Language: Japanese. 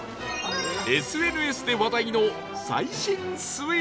ＳＮＳ で話題の最新スイーツ